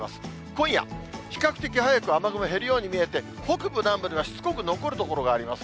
今夜、比較的早く雨雲、減るように見えて、北部、南部ではしつこく残る所があります。